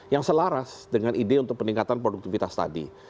yang selaras dengan ide untuk peningkatan produktivitas tadi